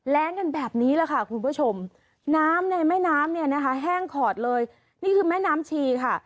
แรงกันแบบนี้แหละค่ะคุณผู้ชมน้ำในแม่น้ำเนี่ยนะคะแห้งขอดเลยนี่คือแม่น้ำชีค่ะ